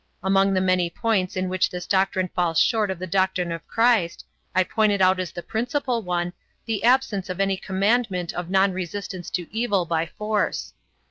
Among the many points in which this doctrine falls short of the doctrine of Christ I pointed out as the principal one the absence of any commandment of non resistance to evil by force.